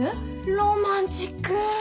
ロマンチック。